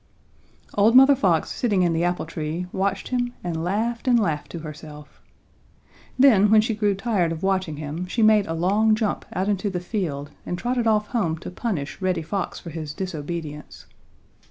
Old Mother Fox, sitting in the apple tree, watched him and laughed and laughed to herself. Then when she grew tired of watching him, she made a long jump out into the field and trotted off home to punish Reddy Fox for his disobedience.